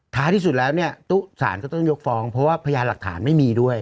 ที่สุดแล้วเนี่ยสารก็ต้องยกฟ้องเพราะว่าพยานหลักฐานไม่มีด้วย